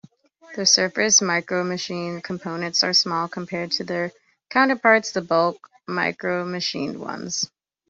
The surface micromachined components are smaller compared to their counterparts, the bulk micromachined ones.